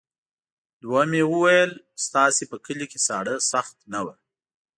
دوهم یې وویل ستاسې په کلي کې ساړه سخت نه وو.